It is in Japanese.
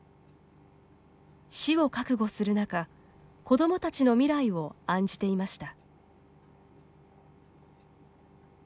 死を覚悟する中子どもたちの未来を案じていました。